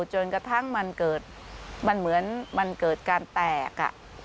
จนกระทั่งมันเกิดมันเหมือนมันเกิดการแตก